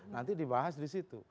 nanti dibahas di situ